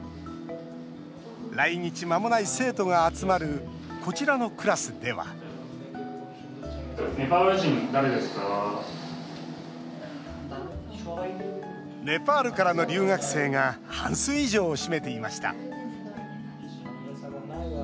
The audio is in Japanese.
来日まもない生徒が集まるこちらのクラスではネパールからの留学生が半数以上を占めていました。